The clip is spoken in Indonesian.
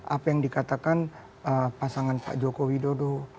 apa yang dikatakan pasangan pak joko widodo